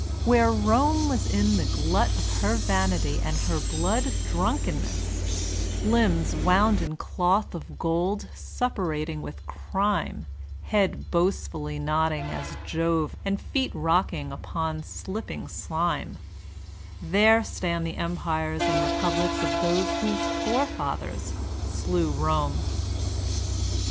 Where Rome was in the glut of her vanity and her blood drunk enness — ^limbs wound in cloth of gold suppurating with crime, head boastfully nodding as Jove and feet rocking upon slipping slime — ^there stand the Empires and Re publics of those whose forefathers slew Rome.